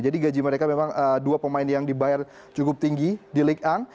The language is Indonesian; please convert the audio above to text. jadi gaji mereka memang dua pemain yang dibayar cukup tinggi di likang